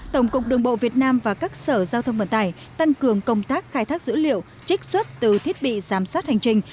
tổng cục đường bộ việt nam và các sở giao thông vận tải tăng cường công tác khai thác dữ liệu trích xuất từ thiết bị giám sát hành trình